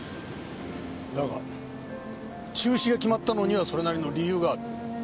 だが中止が決まったのにはそれなりの理由がある。